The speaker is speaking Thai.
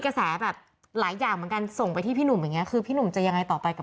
เขามองว่าอะไรเป็นยังไง